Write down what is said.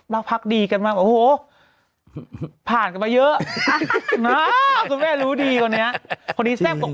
รักพักกันดีกันว่าผ่านกันมาเยอะอาวครูแม่รู้ดีกว่านี้